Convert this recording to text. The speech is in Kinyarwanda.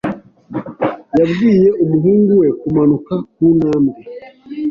Yabwiye umuhungu we kumanuka kuntambwe.